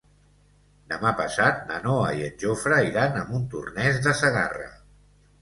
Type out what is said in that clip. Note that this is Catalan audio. Demà passat na Noa i en Jofre iran a Montornès de Segarra.